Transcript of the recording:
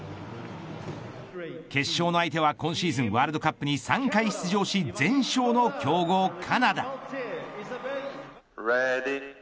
決勝の相手は今シーズンワールドカップに３回出場し全勝の強豪カナダ。